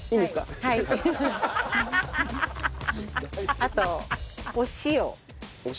あとお塩。